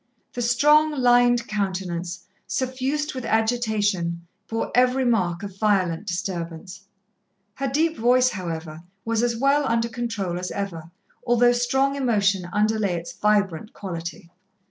The strong, lined countenance, suffused with agitation, bore every mark of violent disturbance. Her deep voice, however, was as well under control as ever, although strong emotion underlay its vibrant quality.